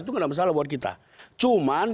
itu tidak ada masalah buat kita